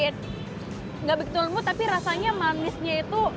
tidak begitu lembut tapi rasanya manisnya itu